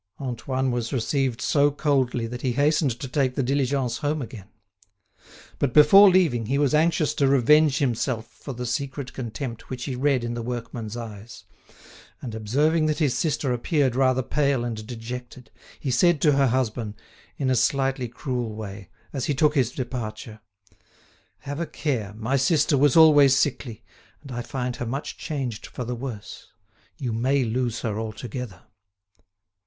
Antoine was received so coldly that he hastened to take the diligence home again. But, before leaving, he was anxious to revenge himself for the secret contempt which he read in the workman's eyes; and, observing that his sister appeared rather pale and dejected, he said to her husband, in a slyly cruel way, as he took his departure: "Have a care, my sister was always sickly, and I find her much changed for the worse; you may lose her altogether."